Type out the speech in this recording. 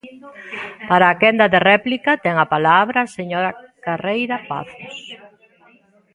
Para a quenda de réplica ten a palabra a señora Carreira Pazos.